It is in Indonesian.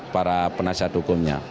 para penasihat hukumnya